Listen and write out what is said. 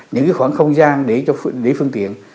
những khoảng không gian để phương tiện